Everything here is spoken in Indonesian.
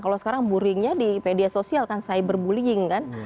kalau sekarang bullyingnya di media sosial kan cyber bullying kan